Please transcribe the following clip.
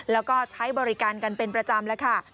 แล้วก็ใช้บริการกันเป็นประจำ